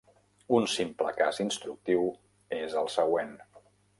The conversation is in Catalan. Un simple cas instructiu és el següent.